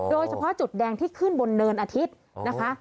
โดยเฉพาะจุดแดงที่ขึ้นบนเนินอาทิตย์นะคะ